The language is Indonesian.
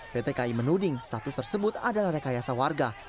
pt kai menuding status tersebut adalah rekayasa warga